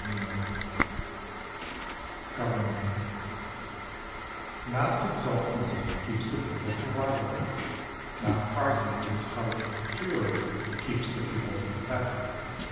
36 GOVERNMENT NOT exalting worth keeps the people from rivalry. Not prizing what is hard to pro cure keeps the people from theft.